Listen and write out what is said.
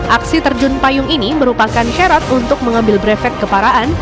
aksi terjun payung ini merupakan syarat untuk mengambil brevet keparaan